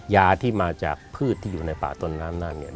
ยาที่มาจากพืชที่อยู่ในป่าต้นน้ำนั่นเนี่ย